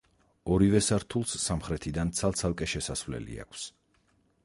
ორივე სართულს სამხრეთიდან ცალ-ცალკე შესასვლელი აქვს.